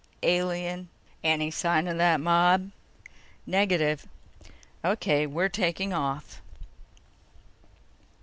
"Alien." "Any sign of that mob?" "Negative." "O.K. We're taking off."